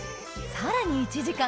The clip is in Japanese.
さらに１時間